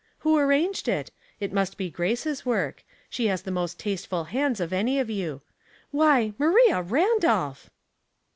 "Who arranged it? It must be Grace's work. She has the most tasteful hands of any of you. Why, Maria Randolph